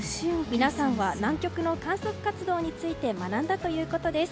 皆さんは南極の観測活動について学んだということです。